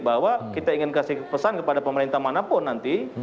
bahwa kita ingin kasih pesan kepada pemerintah manapun nanti